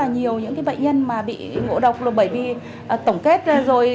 nhiều bệnh nhân bị ngộ độc bởi vì tổng kết ra rồi